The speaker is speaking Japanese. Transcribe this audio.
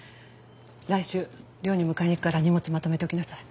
来週寮に迎えに行くから荷物まとめておきなさい。